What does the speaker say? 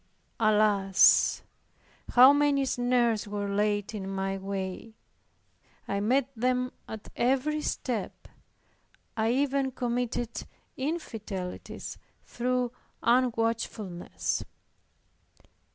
Alas! how many snares were laid in my way! I met them at every step. I even committed infidelities through unwatchfulness.